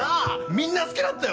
みんな好きだったよ